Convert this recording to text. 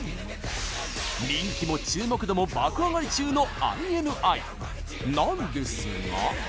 人気も注目度も爆上がり中のＩＮＩなんですが。